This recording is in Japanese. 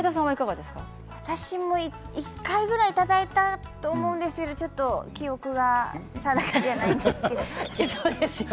私も１回ぐらいいただいたと思うんですけどちょっと記憶が定かじゃないですけど。